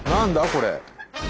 これ。